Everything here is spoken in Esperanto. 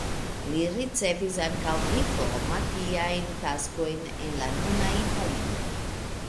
Li ricevis ankaŭ diplomatiajn taskojn en la nuna Italio.